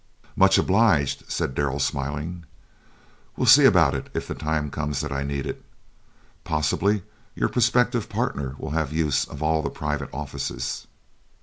"Much obliged," said Darrell, smiling; "we'll see about it if the time comes that I need it. Possibly your prospective partner will have use for all the private offices."